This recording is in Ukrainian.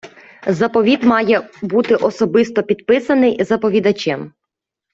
Заповіт має бути особисто підписаний заповідачем.